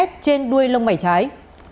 trên đuôi lông mảnh trái